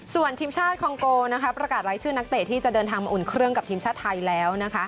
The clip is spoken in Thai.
ส่วนทีมชาติคองโกประกาศรายชื่อนักเตะที่จะเดินทางมาอุ่นเครื่องกับทีมชาติไทยแล้ว